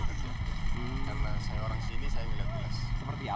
karena saya orang sini saya milih jelas